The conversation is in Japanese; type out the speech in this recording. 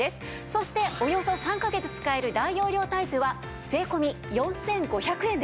そしておよそ３カ月使える大容量タイプは税込４５００円です。